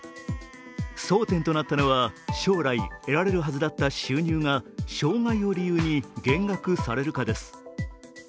争点となったのは、将来、得られるはずだった収入が障害を理由に減額されるかです。